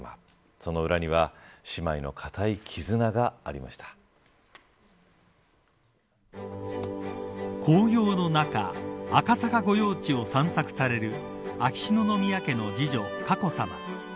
その裏には姉妹の紅葉の中赤坂御用地を散策される秋篠宮家の次女、佳子さま。